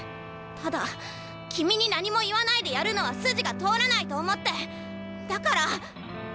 ただ君に何も言わないでやるのは筋が通らないと思ってだから。